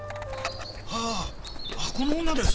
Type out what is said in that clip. ああこの女です。